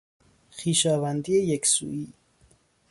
خویشاوندی یک سویی